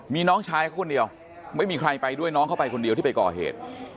มีน้องชายเขาคนเดียวไม่มีใครไปด้วยน้องเข้าไปคนเดียวที่ไปก่อเหตุ